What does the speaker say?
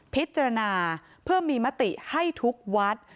พิจารณาเพื่อมีมติให้ทุกวัด